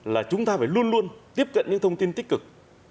là chúng ta phải luôn luôn tiếp cận những thông tin tích cực